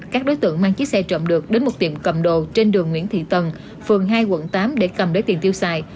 các đối tượng mang chiếc xe trộm được đến một tiệm cầm đồ trên đường nguyễn thị tần phường hai quận tám để cầm lấy tiền tiêu xài